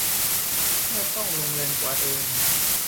ไม่ต้องลงแรงกวาดเอง